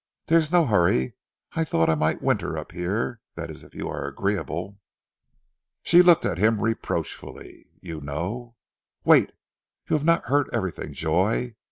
"There is no hurry. I thought I might winter up here that is if you are agreeable." She looked at him reproachfully. "You know " "Wait! You have not heard everything, Joy!